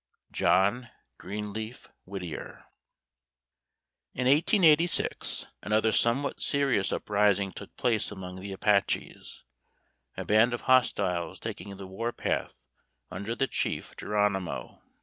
JOHN GREENLEAF WHITTIER. In 1886 another somewhat serious uprising took place among the Apaches, a band of hostiles taking the war path under the chief, Geronimo.